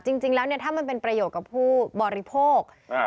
จริงแล้วเนี่ยถ้ามันเป็นประโยชน์กับผู้บริโภค